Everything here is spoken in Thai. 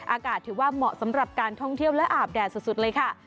อากาศถือว่าเหมาะสำหรับการท่องเที่ยวและอาบแดดสุดเลยค่ะ